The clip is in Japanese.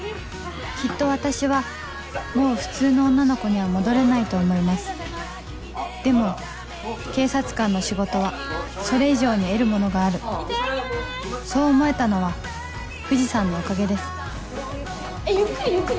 きっと私はもう普通の女の子には戻れないと思いますでも警察官の仕事はそれ以上に得るものがあるそう思えたのは藤さんのおかげですえっゆっくりゆっくり。